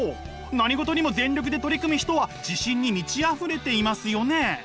何事にも全力で取り組む人は自信に満ちあふれていますよね。